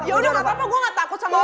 yaudah gak apa apa gue gak takut sama lo